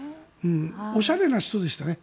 おしゃれな人でしたね。